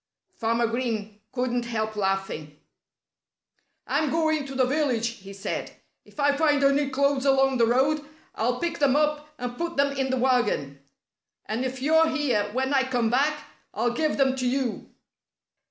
Farmer Green couldn't help laughing. "I'm going to the village," he said. "If I find any clothes along the road I'll pick them up and put them in the wagon. And if you're here when I come back I'll give them to you."